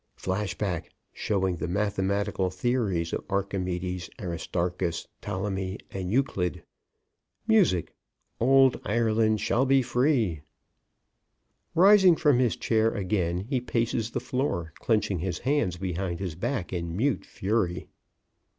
(_Flash back showing the mathematical theories of Archimedes, Aristarchus, Ptolemy and Euclid. Music: "Old Ireland Shall Be Free."_) Rising from his chair again, he paces the floor, clenching his hands behind his back in mute fury.